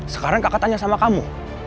sekarang kakak tanya sama kamu